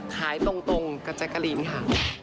ขายตรงกับแจกริ้นค่ะ